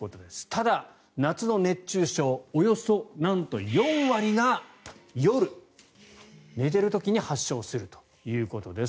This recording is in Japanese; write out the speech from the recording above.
ただ、夏の熱中症およそなんと４割が夜、寝ている時に発症するということです。